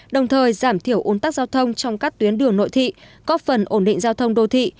đồng thời giảm thiểu ốm tắc giao thông trong các tuyến đường nội thị góp phần ổn định giao thông đô thị